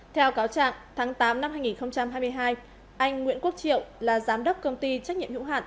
theo cáo trạng tháng tám năm hai nghìn hai mươi hai anh nguyễn quốc triệu là giám đốc công ty trách nhiệm hữu hạn